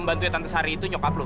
saudara menjadi ibu bahan yang betul